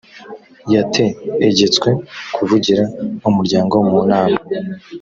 yateegetswe kuvugira umuryango mu nama